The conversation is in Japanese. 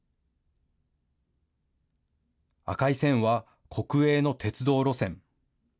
赤い線は国営の鉄道路線。